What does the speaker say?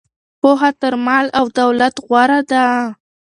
پوهه تر مال او دولت غوره ده.